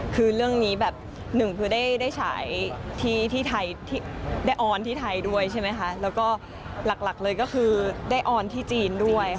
คือเรื่องนี้แบบหนึ่งคือได้ฉายที่ไทยได้ออนที่ไทยด้วยใช่ไหมคะแล้วก็หลักเลยก็คือได้ออนที่จีนด้วยค่ะ